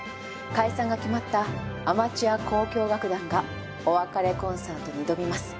解散が決まったアマチュア交響楽団がお別れコンサートに挑みます。